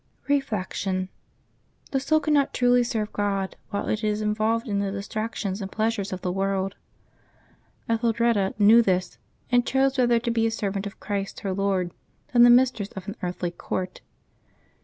Reflection. — The soul cannot truly serve God while it is involved in the distractions and pleasures of the world. •Etheldreda knew this, and chose rather to be a servant of Christ her Lord than the mistress of an earthly court.